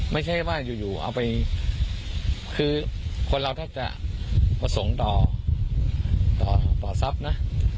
ไม่ใช่ว่าอยู่เอาไปคือคนเราแทบจะประสงค์ต่อต่อทรัพย์นะ